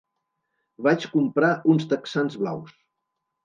Vaig comprar uns texans blaus.